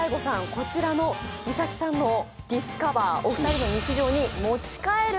こちらのみさきさんのディスカバーお二人の日常に持ち帰るか？